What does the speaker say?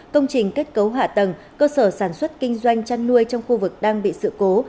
công trình kết cấu hạ tầng cơ sở sản xuất kinh doanh chăn nuôi trong khu vực đang bị sự cố